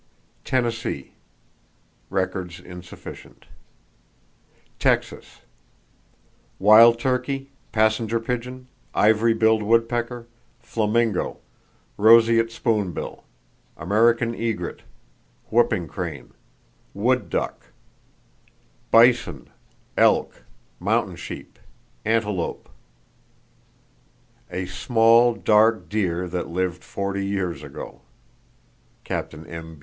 Tennessee: Records insufficient. Texas: Wild turkey, passenger pigeon, ivory billed woodpecker, flamingo, roseate spoonbill, American egret, whooping crane, wood duck; bison, elk, mountain sheep, antelope, "a small, dark deer that lived 40 years ago." (Capt. M.